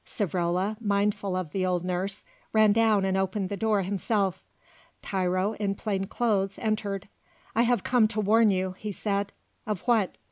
Savrola, mindful of the old nurse, ran down and opened the door himself. Tiro, in plain clothes, entered. "I have come to warn you," he said. "Of what?"